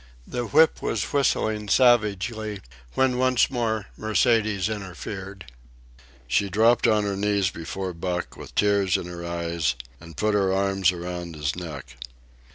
The whip was whistling savagely, when once more Mercedes interfered. She dropped on her knees before Buck, with tears in her eyes, and put her arms around his neck.